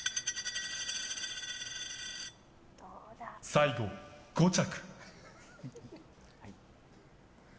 最後、５着。